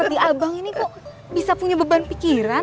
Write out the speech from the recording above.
di abang ini kok bisa punya beban pikiran